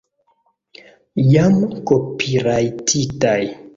Jam kopirajtitaj